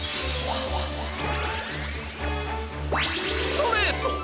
ストレート！